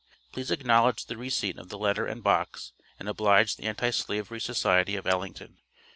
Please acknowledge the receipt of the letter and box, and oblige the Anti slavery Society of Ellington.